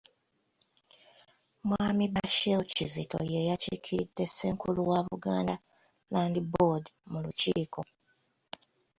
Mwami Bashir Kizito y'eyakiikiridde Ssenkulu wa Buganda Land Board mu lukiiko.